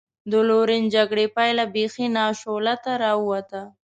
د لورن جګړې پایله بېخي ناشولته را ووته.